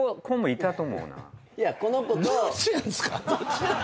どっちなんすか？